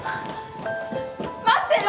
待ってよ！